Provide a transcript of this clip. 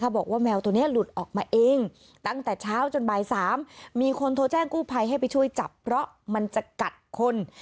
บอกว่าแมวตัวนี้หลุดออกมาเองตั้งแต่เช้าจนบ่าย๓มีคนโทรแจ้งกู้ภัยให้ไปช่วยจับเพราะมันจะกัดคน